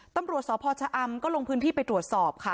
ตำรวจสพชะอำก็ลงพื้นที่ไปตรวจสอบค่ะ